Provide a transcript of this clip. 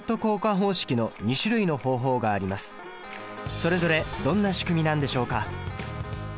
それぞれどんな仕組みなんでしょうか。